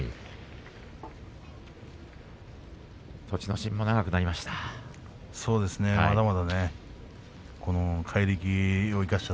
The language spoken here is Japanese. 心も長くなりました。